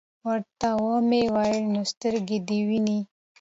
ورته ومي ویل : نو سترګي دي وینې ؟